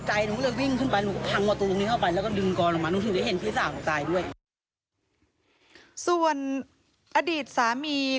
ส่วนอดีตสามีของนางสุกัญญา